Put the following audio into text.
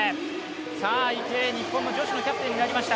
池江、日本の女子のキャプテンになりました。